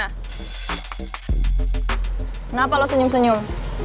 kenapa lo senyum senyum